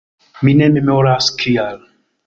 Mi ne memoras, kial.